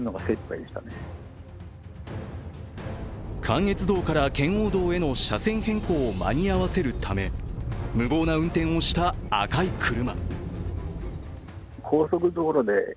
関越道から圏央道への車線変更を間に合わせるため無謀な運転をした赤い車。